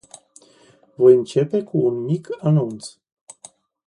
Voi începe cu un mic anunț.